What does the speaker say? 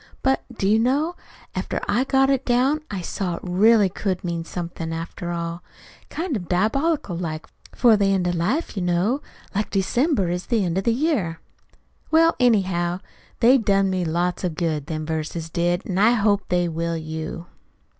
But, do you know, after I got it down I saw it really could mean somethin', after all kind of diabolical like for the end of life, you know, like December is the end of the year. "Well, anyhow, they done me lots of good, them verses did, an' I hope they will you."